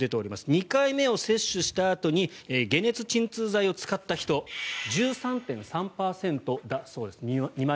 ２回目を接種したあとに解熱鎮痛剤を使った人２万人中１３．３％だそうです。